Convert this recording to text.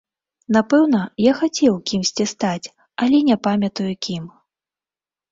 Напэўна, я хацеў кімсьці стаць, але не памятаю кім.